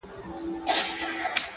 o تا چي نن په مينه راته وكتل.